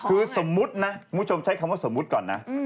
คือสมมุตินะคุณผู้ชมใช้คำว่าสมมุติก่อนนะ